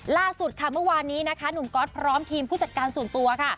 ล่าสุดค่ะเมื่อวานนี้นะคะหนุ่มก๊อตพร้อมทีมผู้จัดการส่วนตัวค่ะ